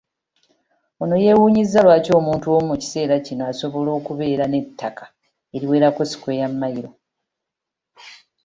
Ono yeewuunyizza lwaki omuntu omu mu kiseera kino asobola okubeera n’ettaka eriwerako ssikweya Mayiro.